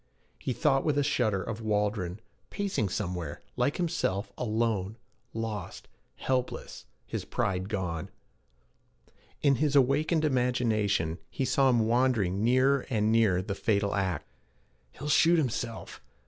He thought with a shudder of Waldron, pacing somewhere like himself, alone, lost, helpless, his pride gone. In his awakened imagination, he saw him wandering nearer and nearer the fatal act. 'He'll shoot himself.